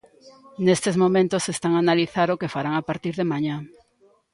Nestes momentos están a analizar o que farán a partir de mañá.